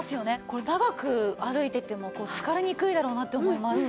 これ長く歩いてても疲れにくいだろうなって思います。